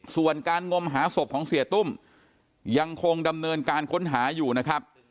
ส่วนการงมหาศพของเสียตุ้มยังคงดำเนินการค้นหาอยู่นะครับ